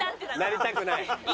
なりたくない。